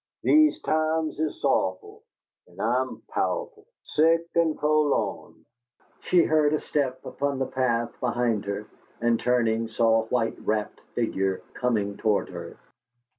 These times is sow'owful, an' I am pow'owful Sick an' fo'lawn!" She heard a step upon the path behind her, and, turning, saw a white wrapped figure coming toward her.